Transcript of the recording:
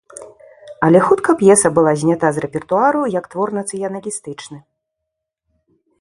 Але хутка п'еса была знята з рэпертуару як твор нацыяналістычны.